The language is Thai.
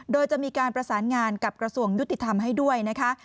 โดยจะมีการประสานงานกับกระทรวงยุติธรรมให้ด้วยนะคะ